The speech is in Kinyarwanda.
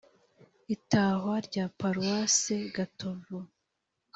itahwa rya paroisse gatovu